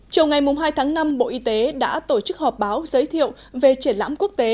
trong ngày hai tháng năm bộ y tế đã tổ chức họp báo giới thiệu về triển lãm quốc tế